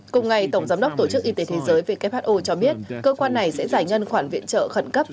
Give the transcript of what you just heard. cùng ngày tổng giám đốc tổ chức y tế thế giới who cho biết cơ quan này sẽ giải ngân khoản viện trợ khẩn cấp